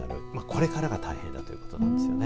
これからが大変だということなんですよね。